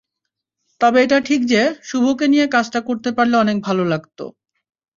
তবে এটা ঠিক যে, শুভকে নিয়ে কাজটা করতে পারলে অনেক ভালো লাগত।